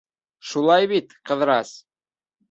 Шулай бит, Ҡыҙырас?..